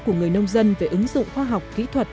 của người nông dân về ứng dụng khoa học kỹ thuật